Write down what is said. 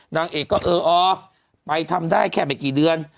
นางเอกก็เอออ๋อไปทำได้แค่ไม่กี่เดือน